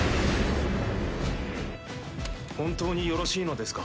本当によろしいのですか？